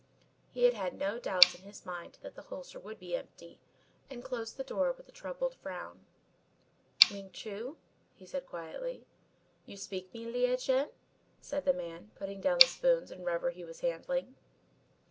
He had had no doubts in his mind that the holster would be empty and closed the door with a troubled frown. "Ling Chu," he said quietly. "You speak me, Lieh Jen?" said the man, putting down the spoons and rubber he was handling.